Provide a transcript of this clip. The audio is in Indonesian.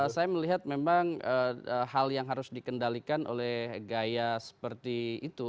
saya melihat memang hal yang harus dikendalikan oleh gaya seperti itu